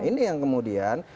ini yang kemudian